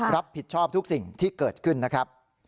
รับผิดชอบทุกสิ่งที่เกิดขึ้นนะครับ